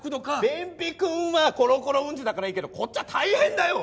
便秘くんはコロコロうんちだからいいけどこっちは大変だよ！